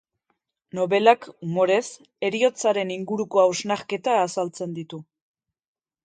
Nobelak, umorez, heriotzaren inguruko hausnarketa azaltzen ditu.